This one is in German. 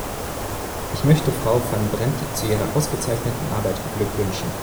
Ich möchte Frau Van Brempt zu ihrer ausgezeichneten Arbeit beglückwünschen.